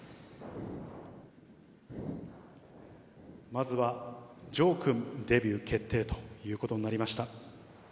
まずはジョウ君、デビュー決定ということになりました。